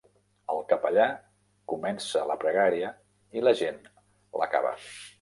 El capellà comença la pregària i la gent l'acaba.